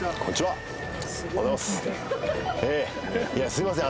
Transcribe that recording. すいません。